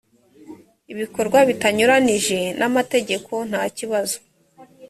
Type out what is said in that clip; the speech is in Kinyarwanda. ibikorwa bitanyuranije n ‘amategeko ntakibazo.